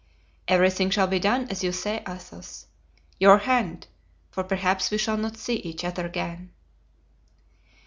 "Everything shall be done as you say, Athos. Your hand, for perhaps we shall not see each other again."